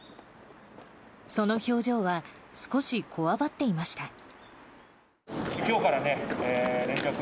その表情は少しこわばっていました。